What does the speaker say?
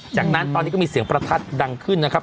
จากนั้นตอนนี้ก็มีเสียงประทัดดังขึ้นนะครับ